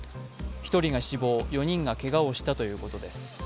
１人が死亡、４人がけがをしたということです。